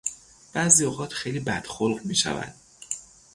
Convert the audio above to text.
بعضی اوقات خیلی بدخلق میشود.